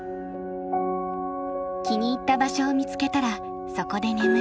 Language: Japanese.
気に入った場所を見つけたらそこで眠る。